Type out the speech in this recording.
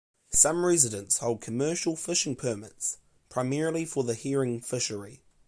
Some residents hold commercial fishing permits, primarily for the herring fishery.